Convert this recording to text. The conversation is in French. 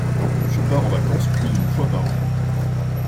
Je pars en vacances plus d’une fois par an.